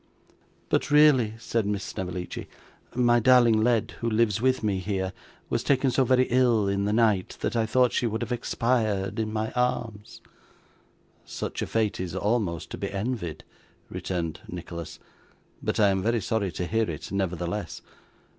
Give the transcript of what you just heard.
'But really,' said Miss Snevellicci, 'my darling Led, who lives with me here, was taken so very ill in the night that I thought she would have expired in my arms.' 'Such a fate is almost to be envied,' returned Nicholas, 'but I am very sorry to hear it nevertheless.